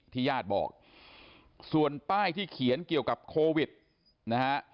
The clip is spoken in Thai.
ญาติบอกส่วนป้ายที่เขียนเกี่ยวกับโควิดนะฮะ